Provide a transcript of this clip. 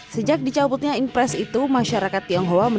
pemerintah akan tekun romanticis di maka ini